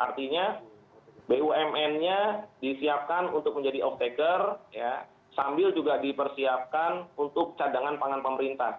artinya bumnnya disiapkan untuk menjadi off taker ya sambil juga dipersiapkan untuk cadangan pangan pemerintah